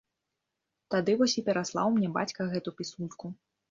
Тады вось і пераслаў мне бацька гэту пісульку.